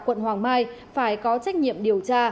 quận hoàng mai phải có trách nhiệm điều tra